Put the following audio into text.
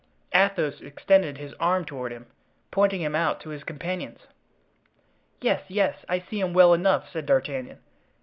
Athos extended his arm toward him, pointing him out to his companions. "Yes, yes, I see him well enough," said D'Artagnan.